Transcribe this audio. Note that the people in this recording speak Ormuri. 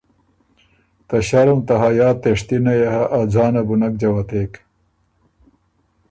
ته ݭرُم ته حیا تېشتِنه يې هۀ ا ځانه بو نک جوتېک